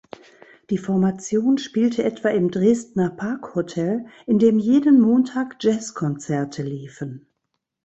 Die Formation spielte etwa im Dresdner Parkhotel, in dem jeden Montag Jazzkonzerte liefen.